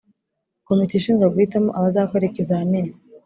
Komite ishinzwe guhitamo abazakora ikizamini